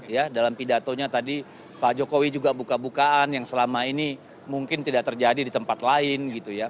ya dalam pidatonya tadi pak jokowi juga buka bukaan yang selama ini mungkin tidak terjadi di tempat lain gitu ya